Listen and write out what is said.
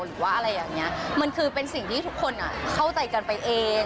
หรือว่าอะไรอย่างนี้มันคือเป็นสิ่งที่ทุกคนเข้าใจกันไปเอง